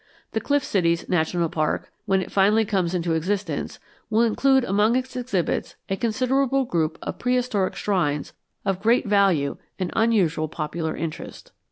The Cliff Cities National Park, when it finally comes into existence, will include among its exhibits a considerable group of prehistoric shrines of great value and unusual popular interest.